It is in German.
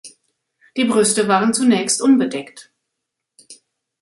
Die Brüste waren zunächst unbedeckt.